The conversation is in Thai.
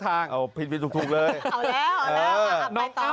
เอาผิดผิดถูกเลย